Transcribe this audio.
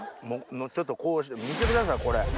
ちょっとこうして見てくださいこれ。